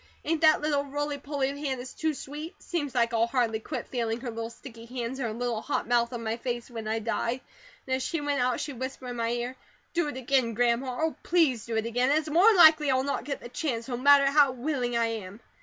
Ain't that little roly poly of Hannah's too sweet? Seems like I'll hardly quit feeling her little sticky hands and her little hot mouth on my face when I die; and as she went out she whispered in my ear: 'Do it again, Grandma, Oh, please do it again!' an it's more'n likely I'll not get the chance, no matter how willing I am.